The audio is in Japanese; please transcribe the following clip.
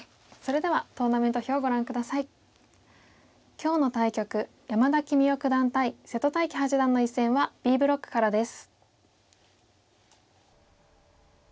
今日の対局山田規三生九段対瀬戸大樹八段の一戦はＢブロックからです。